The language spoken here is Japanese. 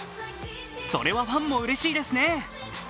それは、ファンもうれしいですね